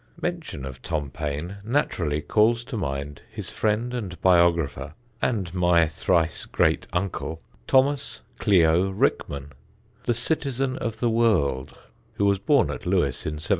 [Sidenote: "CLIO" RICKMAN] Mention of Tom Paine naturally calls to mind his friend and biographer (and my thrice great uncle), Thomas "Clio" Rickman, the Citizen of the World, who was born at Lewes in 1760.